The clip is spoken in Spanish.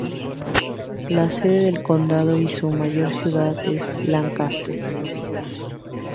La sede del condado y su mayor ciudad es Lancaster.